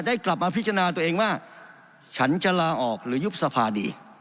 กลับมาพิจารณาตัวเองว่าฉันจะลาออกหรือยุบสภาดี